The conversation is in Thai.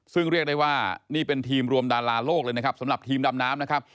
ซึ่งเรียกได้ว่านี่เป็นทีมรวมดาราโลกเลยนะครับสำหรับทีมดำน้ำนะครับ